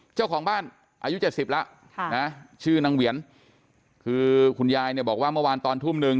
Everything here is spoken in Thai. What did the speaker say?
เจ้าของบ้านอายุ๗๐แล้วนะชื่อนางเหวียนคือคุณยายเนี่ยบอกว่าเมื่อวานตอนทุ่มหนึ่ง